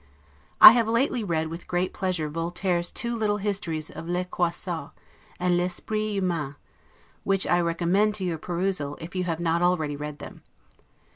I have lately read with great pleasure Voltaire's two little histories of 'Les Croisades', and 'l'Esprit Humain'; which I recommend to your perusal, if you have not already read them.